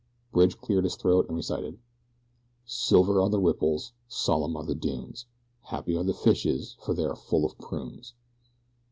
Bridge cleared his throat, and recited: Silver are the ripples, Solemn are the dunes, Happy are the fishes, For they are full of prunes.